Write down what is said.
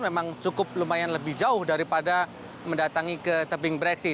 memang cukup lumayan lebih jauh daripada mendatangi ke tebing breksi